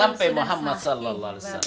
sampai muhammad saw